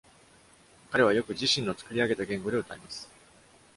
彼はよく、自身の作り上げた言語で歌います。